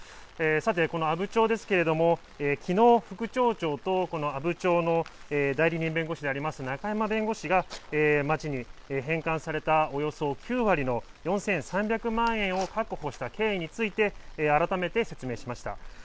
さて、この阿武町ですけれども、きのう、副町長と、この阿武町の代理人弁護士であります中山弁護士が、町に返還されたおよそ９割の４３００万円を確保した経緯について、改めて説明しました。